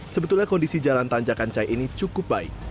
sebetulnya kondisi jalan tanjakancai ini cukup baik